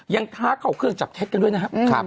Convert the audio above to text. ท้าเข้าเครื่องจับเท็จกันด้วยนะครับ